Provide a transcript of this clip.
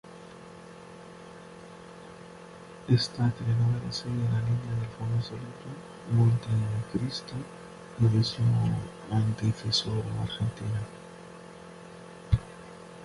Esta telenovela sigue la línea del famoso libro "Montecristo" y de su antecesora argentina.